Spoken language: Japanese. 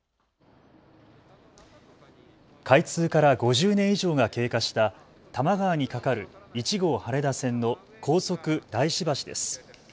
開通から５０年以上が経過した多摩川に架かる１号羽田線の高速大師橋です。